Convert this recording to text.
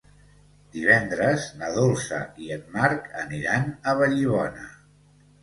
Divendres na Dolça i en Marc aniran a Vallibona.